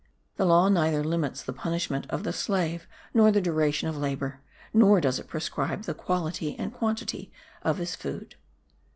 The law neither limits the punishment of the slave, nor the duration of labour; nor does it prescribe the quality and quantity of his food.